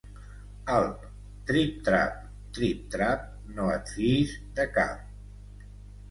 Alp, trip-trap, trip-trap, no et fiïs de cap.